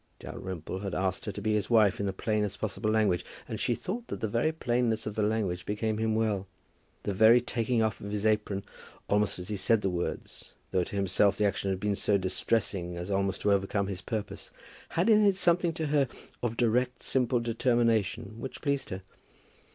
Dalrymple had asked her to be his wife in the plainest possible language, and she thought that the very plainness of the language became him well. The very taking off of his apron, almost as he said the words, though to himself the action had been so distressing as almost to overcome his purpose, had in it something to her of direct simple determination which pleased her.